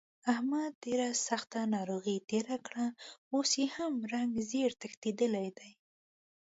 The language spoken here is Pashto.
احمد ډېره سخته ناروغۍ تېره کړه، اوس یې هم رنګ زېړ تښتېدلی دی.